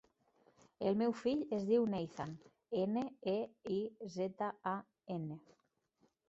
El meu fill es diu Neizan: ena, e, i, zeta, a, ena.